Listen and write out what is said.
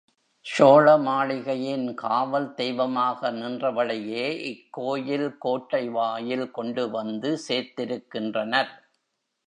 சோழ மாளிகையின் காவல் தெய்வமாக நின்றவளையே இக்கோயில் கோட்டை வாயில் கொண்டு வந்து சேர்த்திருக்கின்றனர்.